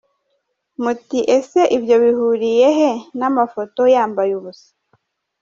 Muti ese ibyo bihuriyehe n’amafoto yambaye ubusa